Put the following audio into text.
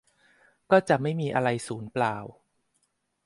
ก็จะไม่มีอะไรสูญเปล่า